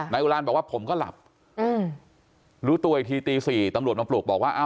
อุรานบอกว่าผมก็หลับรู้ตัวอีกทีตี๔ตำรวจมาปลุกบอกว่า